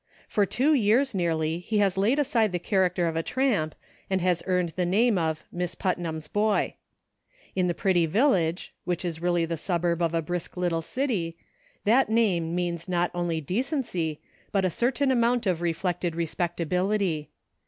For two years, nearly, he has laid aside the character of a tramp, and has earned the name of "Miss Putnam's boy." In the pretty village, which is really the suburb of a brisk little city, that name means not only decency, but a certain amount of reflected respectability.